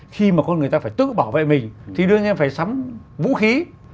khi mà con người ta phải tự bảo vệ mình thì đương nhiên phải sắm vũ khí